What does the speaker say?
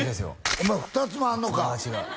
お前２つもあんのか！